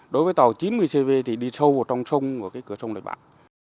đối với tàu chín mươi cv thì đi sâu vào trong trung của cửa trung địa bàn